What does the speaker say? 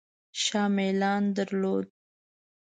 شاه میلان درلود.